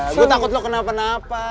gue takut lu kena penapa